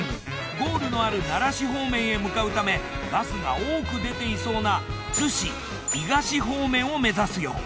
ゴールのある奈良市方面へ向かうためバスが多く出ていそうな津市伊賀市方面を目指すよう。